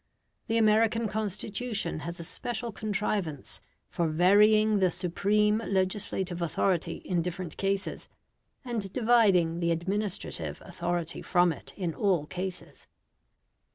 The American Constitution has a special contrivance for varying the supreme legislative authority in different cases, and dividing the administrative authority from it in all cases.